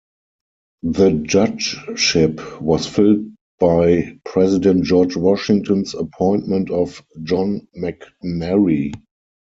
The judgeship was filled by President George Washington's appointment of John McNairy.